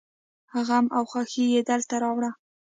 غم او خوښي يې دلته راوړله.